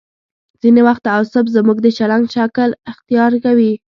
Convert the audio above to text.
ځینې وخت تعصب زموږ د چلند شکل اختیار کوي.